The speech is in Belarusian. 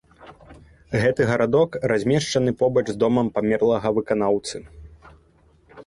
Гэты гарадок размешчаны побач з домам памерлага выканаўцы.